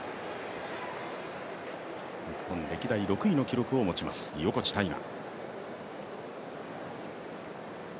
日本歴代６位の記録を持ちます、横地大雅。